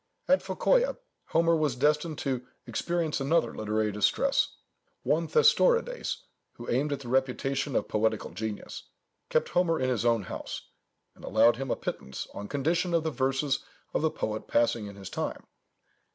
At Phocœa, Homer was destined to experience another literary distress. One Thestorides, who aimed at the reputation of poetical genius, kept Homer in his own house, and allowed him a pittance, on condition of the verses of the poet passing in his name.